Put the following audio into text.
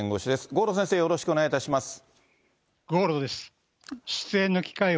郷路先生、よろしくお願いいたします。